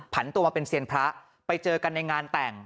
ตัวมาเป็นเซียนพระไปเจอกันในงานแต่ง